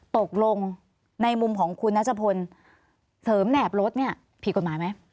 ตกลงในมุมของคุณนัชพลเสริมแหนบรถเนี่ยผิดกฎหมายไหม